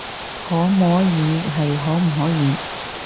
可摸耳係可唔可以